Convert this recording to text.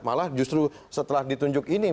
malah justru setelah ditunjuk ini